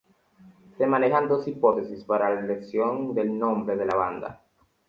Se manejan dos hipótesis para la elección del nombre de la banda.